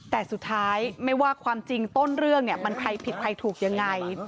แต่สุดท้ายไม่ว่าความจริงต้นเรื่องเนี่ยมันใครผิดใครถูกยังไง